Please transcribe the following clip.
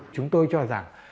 chúng tôi cho rằng